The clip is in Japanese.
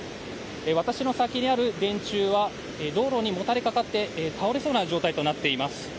私の先にある電柱は道路にもたれかかって倒れそうな状態となっています。